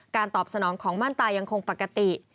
การตอบสนองของม่านตายยังคงปกติ